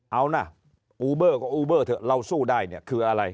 เอานะอูเบอร์ก็อูเบอร์เถอะเราสู้ได้เนี่ยคืออะไร